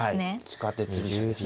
地下鉄飛車ですね。